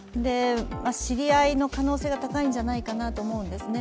知り合いの可能性が高いんじゃないかなと思うんですね。